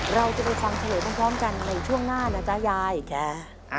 เราจะไปฟังทะเลต้องพร้อมกันในช่วงหน้าแล้วจ๊ะยายแก